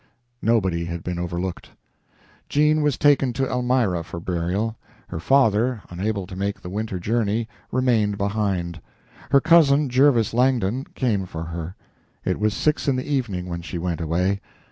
Nobody had been overlooked. Jean was taken to Elmira for burial. Her father, unable to make the winter journey, remained behind. Her cousin, Jervis Langdon, came for her. It was six in the evening when she went away.